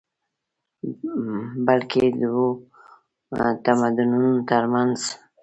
بلکې دوو تمدنونو تر منځ